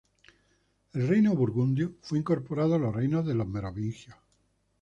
El reino burgundio fue incorporado a los reinos de los merovingios.